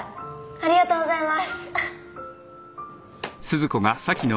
ありがとうございます！